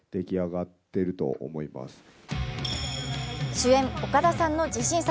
主演・岡田さんの自信作